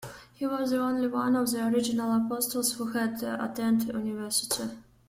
He was the only one of the original apostles who had attended university.